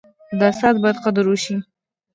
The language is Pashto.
د استاد باید قدر وسي.